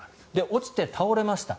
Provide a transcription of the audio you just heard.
落ちて倒れました。